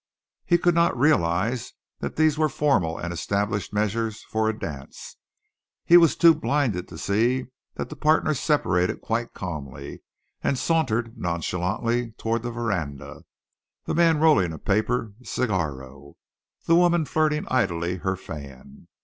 He could not realize that these were formal and established measures for a dance. He was too blind to see that the partners separated quite calmly and sauntered nonchalantly toward the veranda, the man rolling a paper cigarro, the woman flirting idly her fan.